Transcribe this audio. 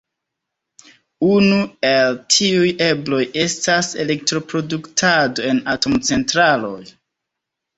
Unu el tiuj ebloj estas elektroproduktado en atomcentraloj.